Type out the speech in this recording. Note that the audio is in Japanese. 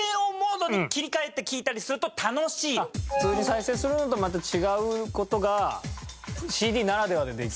普通に再生するのとまた違う事がＣＤならではでできる。